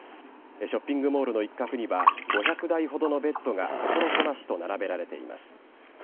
ショッピングモールの一角には、５００台ほどのベッドが所狭しと並べられています。